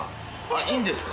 いいんですか？